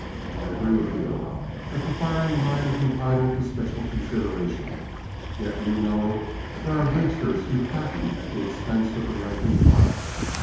I agree with you that the firing line is entitled to special consideration, yet you know that there are ringsters who fatten at the expense of the rank and file.